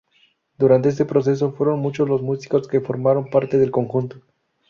Durante este proceso, fueron muchos los músicos que formaron parte del conjunto.